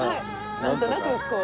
なんとなくこう。